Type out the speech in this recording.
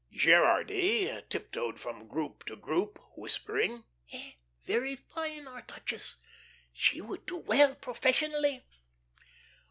Gerardy tiptoed from group to group, whispering: "Eh? Very fine, our duchess. She would do well professionally."